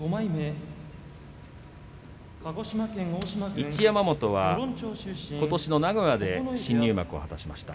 一山本はことしの名古屋で新入幕を果たしました。